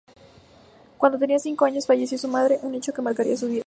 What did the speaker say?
Cuando tenía cinco años falleció su madre, un hecho que marcaría su vida.